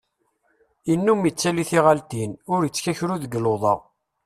Innum ittali tiɣaltin, ur ittkakru deg luḍa.